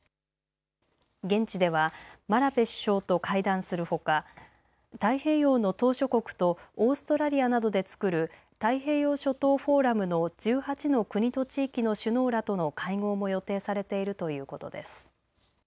現地ではマラペ首相と会談するほか太平洋の島しょ国とオーストラリアなどで作る太平洋諸島フォーラムの１８の国と地域の首脳らとの会合も予定されているということです。